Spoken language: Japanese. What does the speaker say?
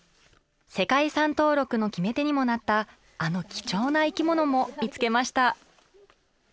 世界遺産登録の決め手にもなったあの貴重な生きものも見つけました。